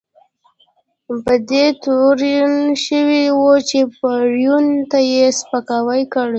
په دې تورن شوی و چې پېرون ته یې سپکاوی کړی.